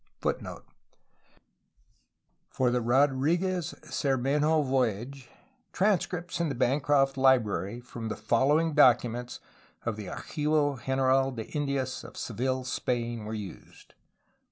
^' For the Rodriguez Cermenho voy age transcripts (in the Bancroft Li brary) from the following documents of the Archivo General de Indias of Seville, Spain, were used: 1.